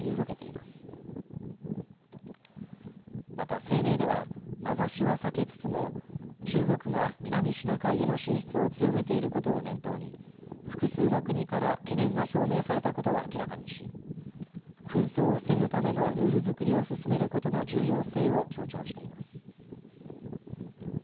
また声明では名指しは避けつつも中国が南シナ海への進出を強めていることを念頭に複数の国から懸念が表明されたことを明らかにし紛争を防ぐためのルール作りを進めることの重要性を強調しています。